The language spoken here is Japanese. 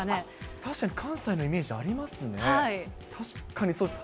確かに関西のイメージありますね。